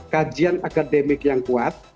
kajian akademik yang kuat